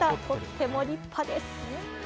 とっても立派です。